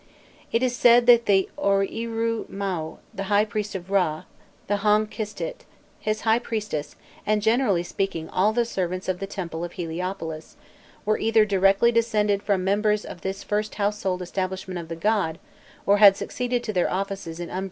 It was said that the oîrû maû the high priest of Râ, the hankistît his high priestess, and generally speaking all the servants of the temple of Heliopolis, were either directly descended from members of this first household establishment of the god, or had succeeded to their offices in unbroken succession.